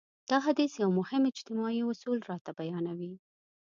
دا حديث يو مهم اجتماعي اصول راته بيانوي.